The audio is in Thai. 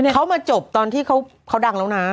เขามาจบตอนที่เขาดังแล้วนะ